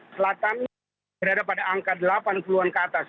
selatan berada pada angka delapan puluh an ke atas